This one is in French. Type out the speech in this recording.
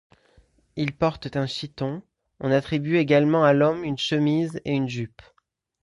Ils portent un chiton, on attribue également à l'homme une chemise et une jupe.